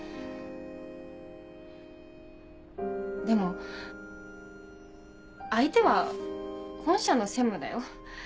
でも相手は本社の専務だよ。